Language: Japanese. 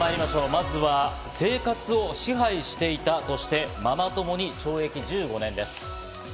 まずは生活を支配していたとして、ママ友に懲役１５年です。